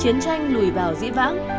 chiến tranh lùi vào dĩ vãng